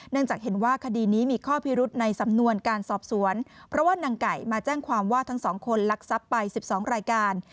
จากเห็นว่าคดีนี้มีข้อพิรุธในสำนวนการสอบสวนเพราะว่านางไก่มาแจ้งความว่าทั้งสองคนลักทรัพย์ไป๑๒รายการ